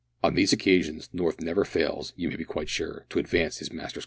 On these occasions North never fails, you may be quite sure, to advance his Master's cause.